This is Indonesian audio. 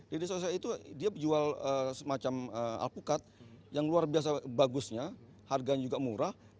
di desa saya itu dia jual semacam alpukat yang luar biasa bagusnya harganya juga murah